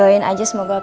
ya tetap tempat